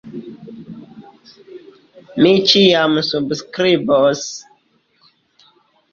Mi ĉiam subskribos kvitancojn, kaj al ĉiuj homoj.